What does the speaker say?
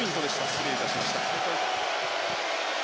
失礼いたしました。